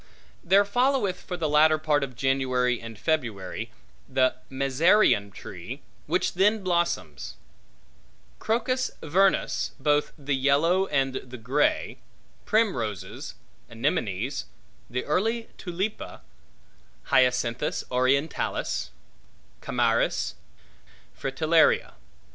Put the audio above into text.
There followeth, for the latter part of January and February, the mezereon tree, which then blossoms; crocus vernus, both the yellow and the grey; primroses, anemones; the early tulippa; hyacinthus orientalis; chamairis; fritellaria.